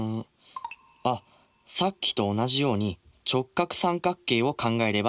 あっさっきと同じように直角三角形を考えればいいんじゃないですか？